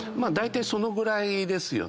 そのぐらいですよね。